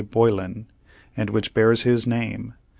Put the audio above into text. Boylan, and which bears his name.